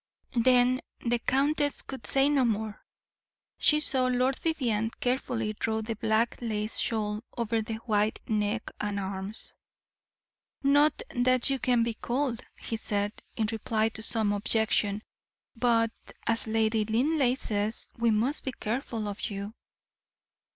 Then the countess could say no more. She saw Lord Vivianne carefully draw the black lace shawl over the white neck and arms. "Not that you can be cold," he said, in reply to some objection, "but, as Lady Linleigh says, we must be careful of you."